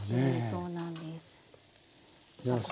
そうなんです。